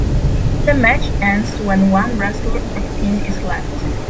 The match ends when one wrestler or team is left.